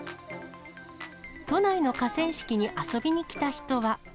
都内の河川敷に遊びに来た人は。